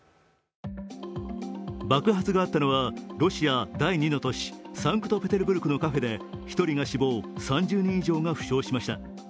爆発があったのはロシア第２の都市、サンクトペテルブルクのカフェで１人が死亡３０人以上が負傷しました。